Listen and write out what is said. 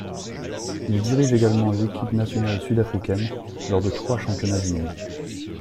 Il dirige également l'équipe nationale sud-africaine lors de trois championnats du monde.